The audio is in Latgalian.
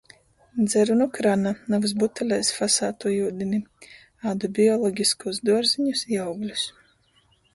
Dzeru nu krana, navys butelēs fasātū iudini. Ādu biologiskūs duorziņus i augļus.